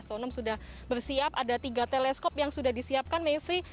tonum sudah bersiap ada tiga teleskop yang sudah disiapkan mevri